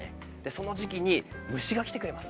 その時期に虫が来てくれます。